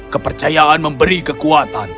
kepercayaan memberi kekuatan